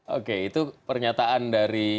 oke itu pernyataan dari